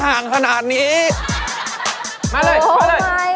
ไปเผามาไปปล่อยเร็ว